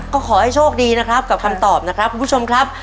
ก็ขอให้โชคดีนะครับกับคำตอบนะครับคุณผู้ชมครับ